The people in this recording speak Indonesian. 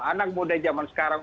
anak muda zaman sekarang